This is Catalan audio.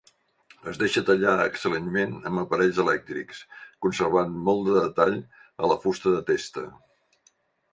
Es deixar tallar excel·lentment amb aparells elèctrics, conservant molt de detall a la fusta de testa.